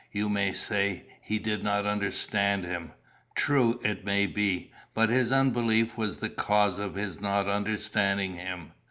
You may say, 'He did not understand him.' True, it may be, but his unbelief was the cause of his not understanding him.